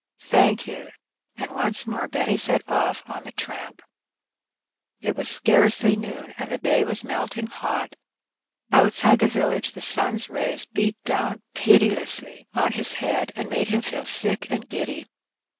"Thank you." And once more Benny set ofiF on the tramp. It was scarcely noon, and the day was melting hot. Outside the village the sun's rays beat down pitilessly on 218 Hee Benny. his head^ and made him feel sick and giddy.